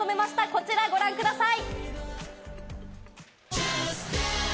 こちらをご覧ください。